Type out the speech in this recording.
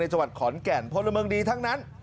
จังหวัดขอนแก่นพลเมืองดีทั้งนั้น